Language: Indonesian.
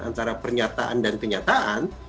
antara pernyataan dan kenyataan